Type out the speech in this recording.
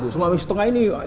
jadi kita itu